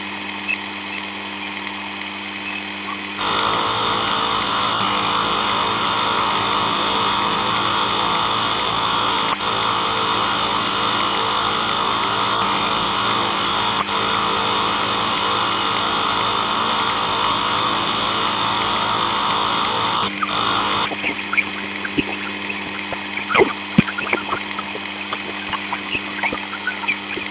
Vita inaleta njaa kwa watu